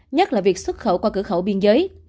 nhất là việc xuất khẩu qua cửa khẩu biên giới